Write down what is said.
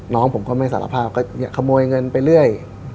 น้องผมก็ไม่สารภาพก็เนี่ยขโมยเงินไปเรื่อย